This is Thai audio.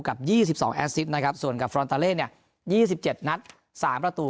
กับยี่สิบสองนะครับส่วนกับเนี่ยยี่สิบเจ็ดนัดสามประตู